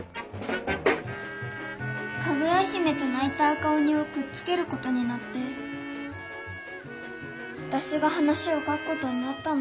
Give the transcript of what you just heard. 「かぐや姫」と「ないた赤おに」をくっつけることになってわたしが話を書くことになったんだけどさ。